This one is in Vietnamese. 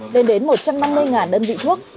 đến đến một trăm năm mươi đơn vị thuốc